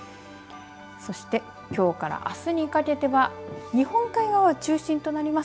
そして、きょうからあすにかけては日本海側が中心となります。